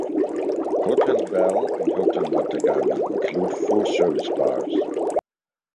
Hotel Bell and Hotel Matagami include full service bars.